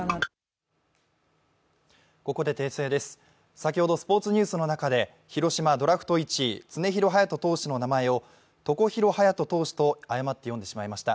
先ほどスポ−ツニュースの中で広島ドラフト１位、常廣羽也斗選手のことをとこひろはやと投手と誤って読んでしまいました。